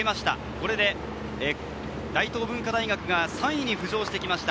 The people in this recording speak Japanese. これで大東文化大学が３位に浮上してきました。